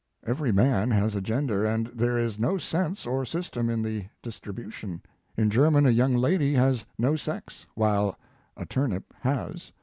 Every man has a gender and there is no sense or system in the distri bution. In German a young lady has no sex, while a turnip has.